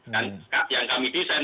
dan yang kami desain